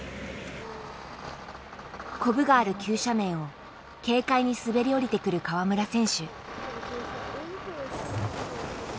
コブがある急斜面を軽快に滑り降りてくる川村選手。